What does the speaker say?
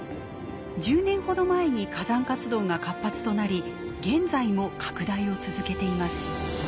１０年ほど前に火山活動が活発となり現在も拡大を続けています。